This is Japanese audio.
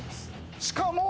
しかも。